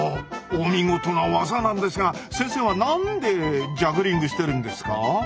お見事な技なんですが先生は何でジャグリングしてるんですか？